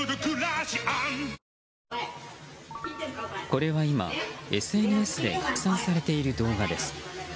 これは今ＳＮＳで拡散されている動画です。